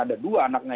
ada dua anaknya